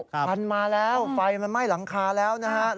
คันมาแล้วไฟมันไหม้หลังคาแล้วนะครับ